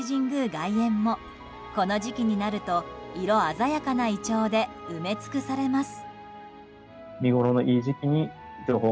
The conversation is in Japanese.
外苑もこの時期になると色鮮やかなイチョウで埋め尽くされます。